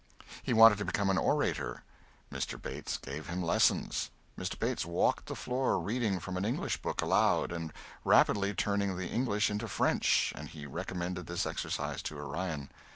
He wanted to become an orator. Mr. Bates gave him lessons. Mr. Bates walked the floor reading from an English book aloud and rapidly turning the English into French, and he recommended this exercise to Orion.